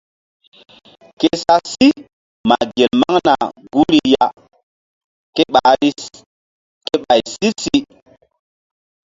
Ke sa sí ma gel maŋna guri ya ke ɓahri ke ɓay si-si.